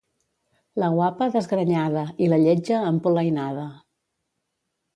La guapa, desgrenyada, i la lletja, empolainada.